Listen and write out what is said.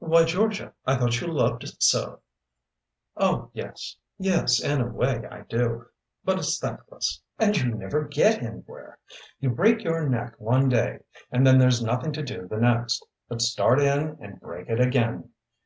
"Why, Georgia, I thought you loved it so." "Oh, yes, yes, in a way, I do. But it's thankless. And you never get anywhere. You break your neck one day, and then there's nothing to do the next, but start in and break it again.